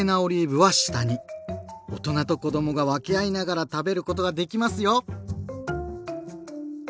大人と子どもが分け合いながら食べることができますよ！